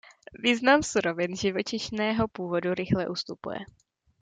Význam surovin živočišného původu rychle ustupuje.